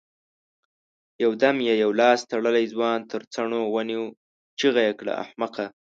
يودم يې يو لاس تړلی ځوان تر څڼو ونيو، چيغه يې کړه! احمقه!